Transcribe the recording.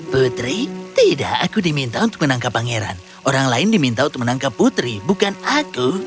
putri tidak aku diminta untuk menangkap pangeran orang lain diminta untuk menangkap putri bukan aku